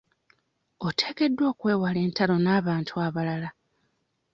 Oteekeddwa okwewala entalo n'abantu abalala.